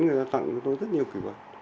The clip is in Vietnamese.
người ta tặng cho tôi rất nhiều kỷ vật